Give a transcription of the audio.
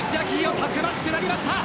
たくましくなりました。